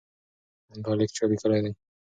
دا لیک چا لیکلی دی؟